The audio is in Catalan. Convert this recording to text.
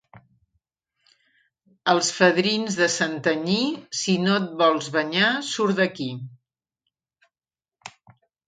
Els fadrins de Santanyí: si no et vols banyar, surt d'aquí.